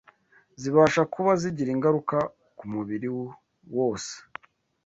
Zibasha kuba zigira ingaruka ku mubiri wose